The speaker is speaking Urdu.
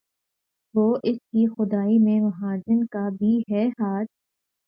گو اس کی خدائی میں مہاجن کا بھی ہے ہاتھ